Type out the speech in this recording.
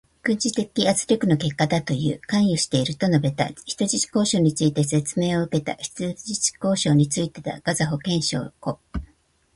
軍事的圧力の結果だという。関与していると述べた。人質交渉について説明を受けた。人質交渉についてた。ガザ保健省、子どもたちだという。